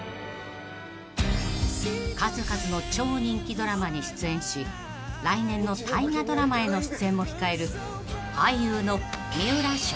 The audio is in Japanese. ［数々の超人気ドラマに出演し来年の大河ドラマへの出演も控える］